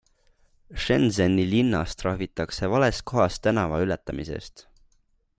Shenzheni linnas trahvitakse vales kohas tänava ületamise eest.